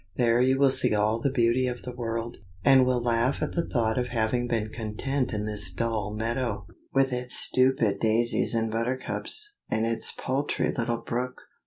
There you will see all the beauty of the world, and will laugh at the thought of having been content in this dull meadow, with its stupid daisies and buttercups, and its paltry little brook.